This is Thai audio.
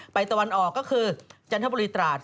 ตะวันออกก็คือจันทบุรีตราด